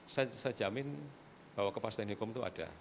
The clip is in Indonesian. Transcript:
saya jamin bahwa kepastian hukum itu ada